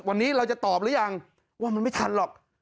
วันนี้เราจะตอบหรือยังว่ามันไม่ทันหรอก